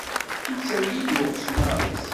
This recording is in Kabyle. Yettergigi uɣesmar-is.